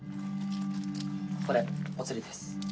これお釣りです。